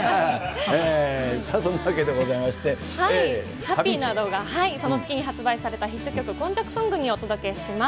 さあ、そんなわけでございまハッピーな動画、その月に発売されたヒット曲、今昔ソングにお届けします。